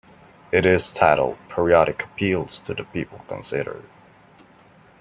It is titled Periodic Appeals to the People Considered.